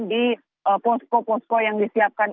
di posko posko yang disiapkan